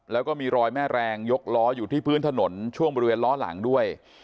แล้วก็มีรอยแม่แรงยกล้ออยู่ที่พื้นถนนช่วงบริเวณล้อหลังด้วย